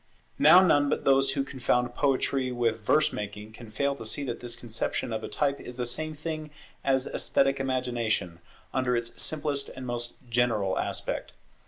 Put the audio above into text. Now none but those who confound poetry with verse making can fail to see that this conception of a type is the same thing as esthetic imagination, under its simplest and most general aspect.